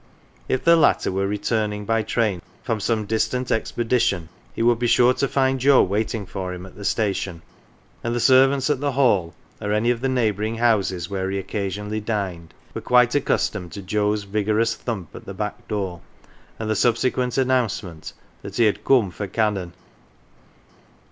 If the latter were returning by train from some distant expedition he would be sure to find Joe waiting for him at the station, and the 17 B THORN LEIGH servants at the Hall, or any of the neighbouring houses where he occasionally dined, were quite accustomed to Joe's vigorous thump at the back door, and the sub^ sequent announcement that he had " coom for Canon."